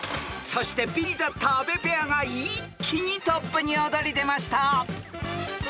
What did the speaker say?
［そしてビリだった阿部ペアが一気にトップに躍り出ました］